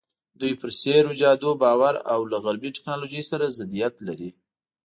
دوی پر سحر او جادو باور او له غربي ټکنالوژۍ سره ضدیت لري.